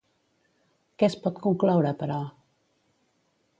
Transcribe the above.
Què es pot concloure, però?